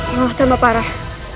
malah terlambat parah